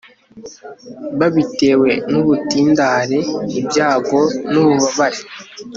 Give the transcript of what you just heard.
babitewe n'ubutindahare, ibyago n'ububabare